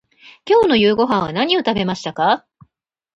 今日の夕ごはんは何を食べましたか。